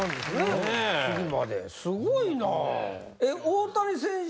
すごいな。